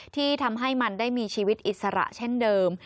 ที่ทำให้มันได้มีชีวิตอิสระเช่นเดิม